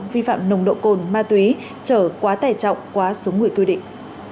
vi phạm nồng độ cồn ma túy chở quá tẻ trọng quá xuống người quy định